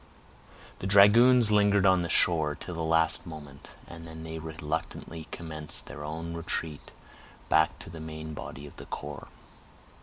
The dragoons lingered on the shore till the last moment, and then they reluctantly commenced their own retreat back to the main body of the corps.